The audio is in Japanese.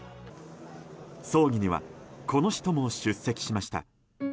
葬儀にはこの人も出席しました。